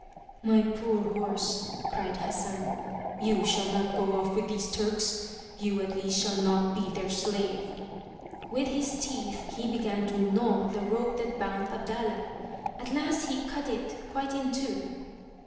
''My poor horse," cried Hassan, "you shall not go off with these Turks! You at least shall not be their slave !'* With his teeth he began to gnaw the rope that bound Abdallah. At last he cut it quite in two.